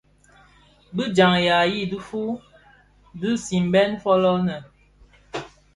Bi djaň ya i dhufuu dhi simbèn fōlō nnë.